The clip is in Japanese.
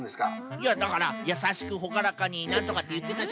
いやだからやさしくほがらかになんとかっていってたじゃないですか。